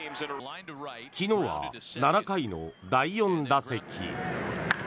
昨日は７回の第４打席。